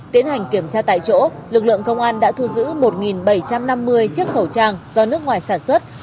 tiến hành kiểm tra tại chỗ lực lượng công an đã thu giữ một bảy trăm năm mươi chiếc khẩu trang do nước ngoài sản xuất